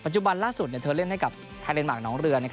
จุบันล่าสุดเธอเล่นให้กับไทยเดนมาร์คน้องเรือ